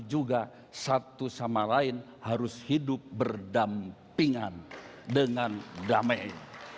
dan juga satu sama lain harus hidup berdampingan dengan damai